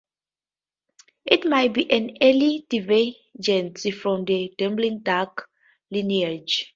It might be an early divergence from the dabbling duck lineage.